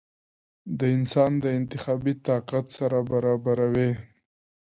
د انسان د انتخابي طاقت سره برابروې ؟